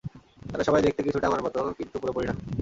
তারা সবাই দেখতে কিছুটা আমার মত, কিন্তু পুরোপুরি না।